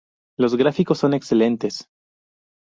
Los gráficos son excelentes".